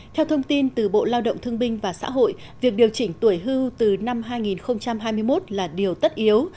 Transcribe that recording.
theo thông tin từ bộ lao động thương binh và xã hội việc điều chỉnh tuổi hưu từ năm hai nghìn hai mươi một là điều tất yếu